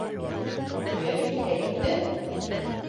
Һыйыр екһә екте